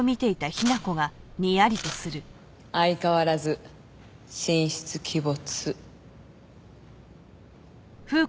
相変わらず神出鬼没。